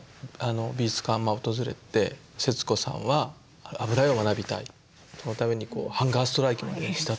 美術館を訪れて節子さんは油絵を学びたいそのためにハンガーストライキまでしたと。